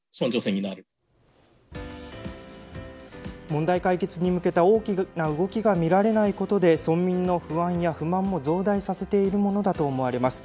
問題解決に向けた大きな動きが見られないことで村民の不安や不満も増大させているものだと思われます。